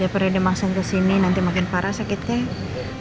ya pada dia maksing kesini nanti makin parah sakitnya